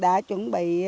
đã chuẩn bị